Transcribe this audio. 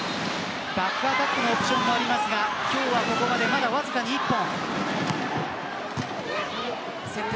バックアタックのオプションもありますが今日はここまでまだわずかに１本。